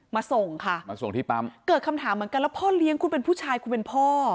ส่งค่ะมาส่งที่ปั๊มเกิดคำถามเหมือนกันแล้วพ่อเลี้ยงคุณเป็นผู้ชายคุณเป็นพ่อ